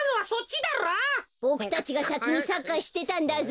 ボクたちがさきにサッカーしてたんだぞ。